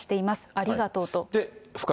ありがとうと。